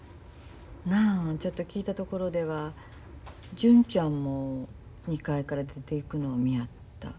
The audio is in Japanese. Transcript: なあちょっと聞いたところでは純ちゃんも２階から出ていくのを見やった。